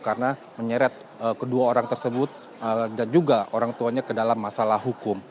karena menyeret kedua orang tersebut dan juga orang tuanya ke dalam masalah hukum